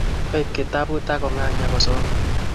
kaib kitabut ak kongany ak kosoman